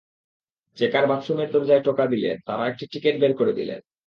Checker বাথরুমের দরজায় টোকা দিলে তাঁরা একটা টিকিট বের করে দিলেন।